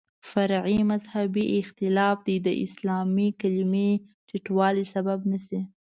فرعي مذهبي اختلاف دې د اسلامي کلمې ټیټوالي سبب نه شي.